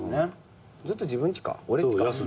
ずっと自分ちか俺んちか。